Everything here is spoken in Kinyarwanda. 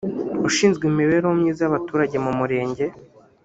ushinzwe imibereho myiza y’abaturage mu Murenge